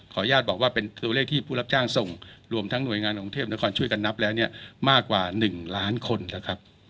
อนุญาตบอกว่าเป็นตัวเลขที่ผู้รับจ้างส่งรวมทั้งหน่วยงานกรุงเทพนครช่วยกันนับแล้วเนี่ยมากกว่า๑ล้านคนนะครับ